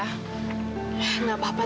tante tidak apa apa